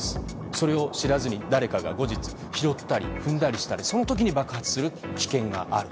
それを知らずに誰かが後日、拾ったり踏んだりしたらその時に爆発する危険がある。